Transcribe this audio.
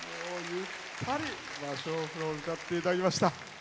ゆったり「芭蕉布」を歌っていただきました。